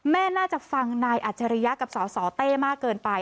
น่าจะฟังนายอัจฉริยะกับสสเต้มากเกินไป